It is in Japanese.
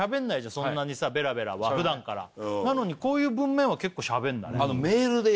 そんなにさベラベラふだんからなのにこういう文面は結構しゃべんだね・